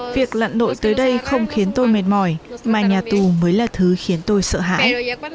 việc lặn nội tới đây không khiến tôi mệt mỏi mà nhà tù mới là thứ khiến tôi sợ hãi